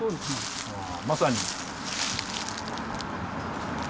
まさに。